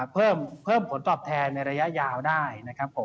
เพื่อเพิ่มผลตอบแทนในระยะยาวได้